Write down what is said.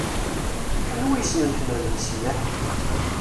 Anwa yessnen Ḥmed Lemseyyeḥ?